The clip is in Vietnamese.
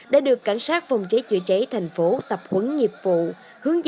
đã được cảnh sát phòng cháy chữa cháy tp hcm tập huấn nhiệm vụ